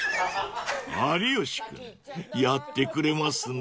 ［有吉君やってくれますね］